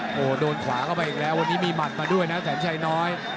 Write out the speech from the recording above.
โอ้โหโดนขวาเข้าไปอีกแล้ววันนี้มีหมัดมาด้วยนะแสนชัยน้อย